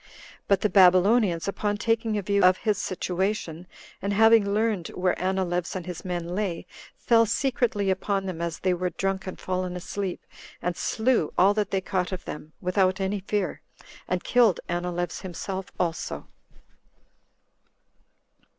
But the Babylonians, upon taking a view of his situation, and having learned where Anileus and his men lay, fell secretly upon them as they were drunk and fallen asleep, and slew all that they caught of them, without any fear, and killed Anileus himself also.